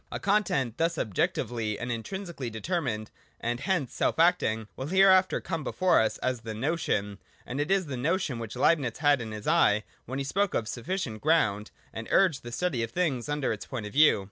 A content thus objectively and intrinsically determined, and hence self acting, will hereafter come before us as the notion : and it is the notion which Leibnitz had in his eye when he spoke of sufficient ground, and urged the study of things under its point of view.